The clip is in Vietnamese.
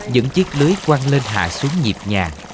những chiếc lưới quăng lên hạ xuống nhịp nhà